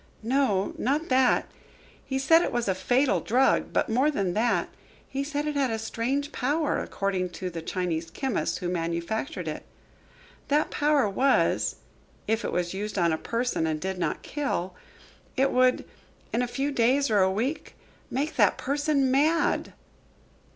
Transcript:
"No, not that. He said it was a fatal drug, but more than that, he said it had a strange power, according to the Chinese chemists who manufactured it. That power was, if it was used on a person and did not kill it would, in a few days or a week, make that person mad."